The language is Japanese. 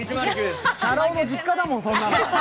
チャラ男の実家だもん、そんなの。